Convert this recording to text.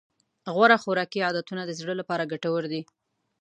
غوره خوراکي عادتونه د زړه لپاره ګټور دي.